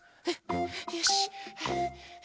よし。